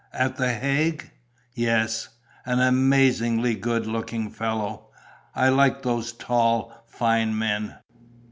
"At the Hague?" "Yes." "An amazingly good looking fellow! I like those tall, fine men."